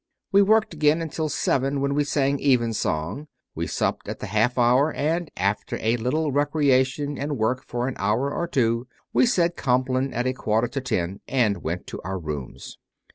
We worked again until seven, when we sang Evensong; we supped at the half hour, and, after a little recreation and work for an hour or two, we said Compline at a quarter to ten and went to our rooms.